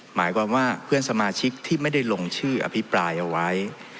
หมายความว่าเพื่อนสมาชิกที่ไม่ได้ลงชื่ออภิปรายเอาไว้